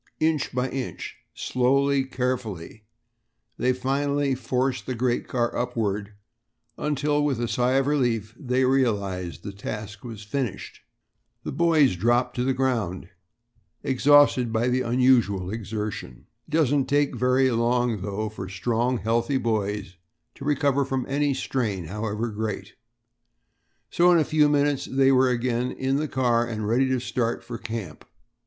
Inch by inch, slowly, carefully, they finally forced the great car upward, until with a sigh of relief they realized that the task was finished. The boys dropped to the ground, exhausted by the unusual exertion. It doesn't take very long, though, for strong, healthy boys to recover from any strain, however great; so in a few minutes they were again in the car and ready to start for camp.